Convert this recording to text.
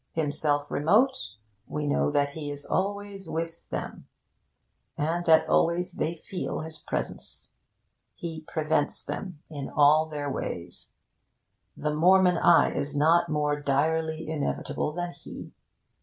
Himself remote, we know that he is always with them, and that always they feel his presence. He prevents them in all their ways. The Mormon Eye is not more direly inevitable than he.